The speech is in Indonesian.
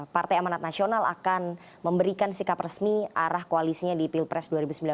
partai amanat nasional akan memberikan sikap resmi arah koalisinya di pilpres dua ribu sembilan belas